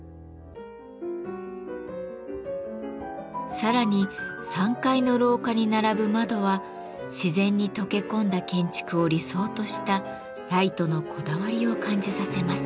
さらに３階の廊下に並ぶ窓は自然に溶け込んだ建築を理想としたライトのこだわりを感じさせます。